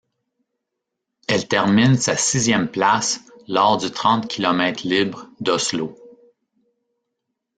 Elle termine sa sixième place lors du trente kilomètres libre d'Oslo.